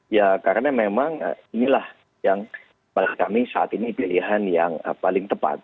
ya karena memang inilah yang menurut kami saat ini pilihan yang paling tepat